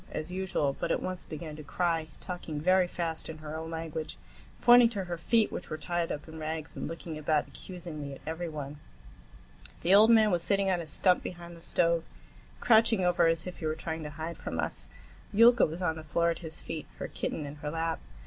as usual, but at once began to cry, talking very fast in her own language, pointing to her feet which were tied up in rags, and looking about accusingly at every one. The old man was sitting on a stump behind the stove, crouching over as if he were trying to hide from us. Yulka was on the floor at his feet, her kitten in her lap.